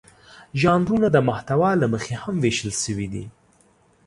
ژانرونه د محتوا له مخې هم وېشل شوي دي.